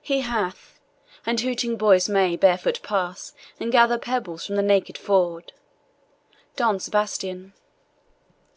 He hath and hooting boys may barefoot pass, And gather pebbles from the naked ford! DON SEBASTIAN.